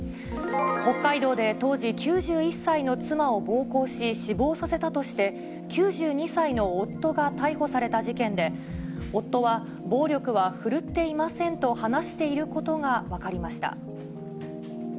北海道で当時９１歳の妻を暴行し、死亡させたとして、９２歳の夫が逮捕された事件で、夫は、暴力は振るっていませんと話していることが分かりました。